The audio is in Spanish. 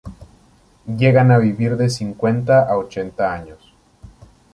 Llegan a vivir de cincuenta a ochenta años.